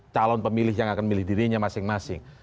calon pemilih yang akan milih dirinya masing masing